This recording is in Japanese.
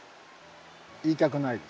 言いたくないです。